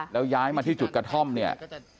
แล้วย้ายมาที่จุดกระท่อมเนี่ย